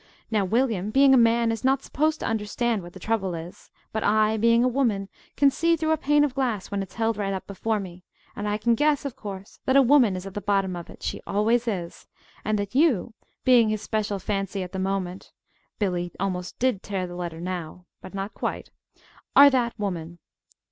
Now William, being a man, is not supposed to understand what the trouble is. But I, being a woman, can see through a pane of glass when it's held right up before me; and I can guess, of course, that a woman is at the bottom of it she always is! and that you, being his special fancy at the moment" (Billy almost did tear the letter now but not quite), "are that woman.